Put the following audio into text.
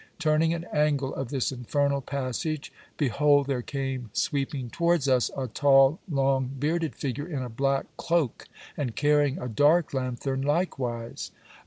Turning an angle of this infernal passage, behold there came sweeping towards us a tall long bearded figure, in a black cloak, and carrying a dark lanthern likewise.